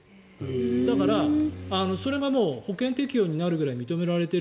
だから、それが保険適用になるぐらい認められている。